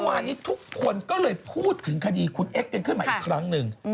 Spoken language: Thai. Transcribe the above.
วันนี้ทุกคนก็เลยพูดถึงคดีคุณเอ็กซกันขึ้นมาอีกครั้งหนึ่ง